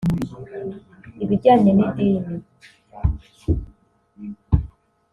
ibijyanye n’idini